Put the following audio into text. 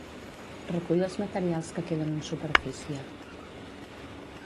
Recull els materials que queden en superfície.